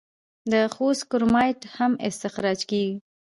د خوست کرومایټ هم استخراج کیږي.